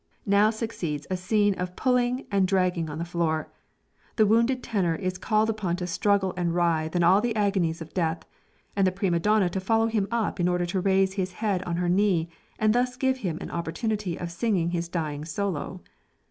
Now succeeds a scene of pulling and dragging on the floor. The wounded tenor is called upon to struggle and writhe in all the agonies of death, and the prima donna to follow him up in order to raise his head on her knee, and thus give him an opportunity of singing his dying solo.